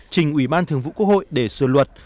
trình ủy ban thường vụ quốc hội để sửa luật